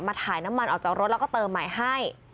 ถ่ายน้ำมันออกจากรถแล้วก็เติมใหม่ให้